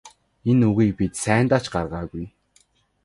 Энэ үгийг бид сайндаа ч гаргаагүй.